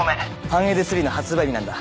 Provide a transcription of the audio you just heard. ファンエデ３の発売日なんだ。